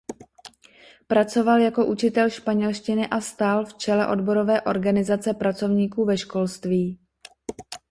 Pracoval jako učitel španělštiny a stál v čele odborové organizace pracovníků ve školství.